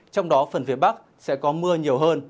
trong đó phần phía bắc sẽ có mưa nhiều hơn